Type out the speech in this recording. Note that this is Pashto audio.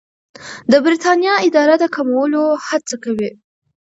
د بریتانیا اداره د کمولو هڅه کوي.